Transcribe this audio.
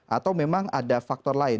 atau memang ada faktor lain